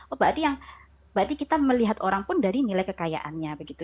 oh berarti yang berarti kita melihat orang pun dari nilai kekayaannya begitu